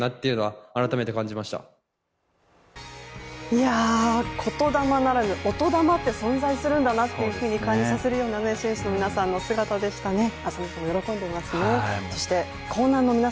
いや、言だまならぬ、音だまって存在するんだと感じさせるような選手の皆さんの姿でしたね。